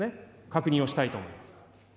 確認をしたいと思います。